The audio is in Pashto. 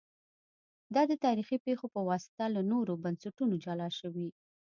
دا د تاریخي پېښو په واسطه له نورو بنسټونو جلا شوي